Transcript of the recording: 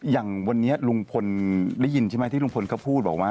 อย่างวันนี้ลุงพลได้ยินใช่ไหมที่ลุงพลเขาพูดบอกว่า